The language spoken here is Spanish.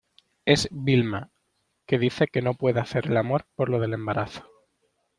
es Vilma, que dice que no puede hacer el amor por lo del embarazo.